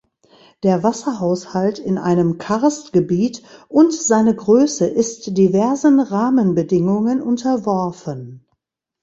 Der Wasserhaushalt in einem Karstgebiet und seine Größe ist diversen Rahmenbedingungen unterworfen.